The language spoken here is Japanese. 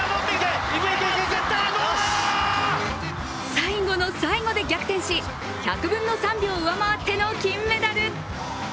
最後の最後で逆転し、１００分の３秒を上回っての金メダル。